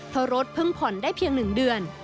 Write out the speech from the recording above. เพราะรถเพิ่งผ่อนได้เพียง๑เดือน